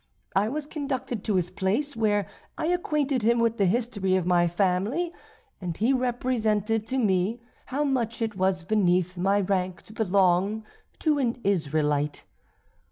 I was conducted to his palace, where I acquainted him with the history of my family, and he represented to me how much it was beneath my rank to belong to an Israelite.